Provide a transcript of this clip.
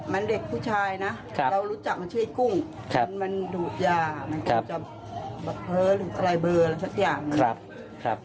มันเด็กผู้ชายนะเรารู้จักมันชื่อกุ้งมันดูดยามันกลับเผลอหรืออะไรเบลออะไรสักอย่าง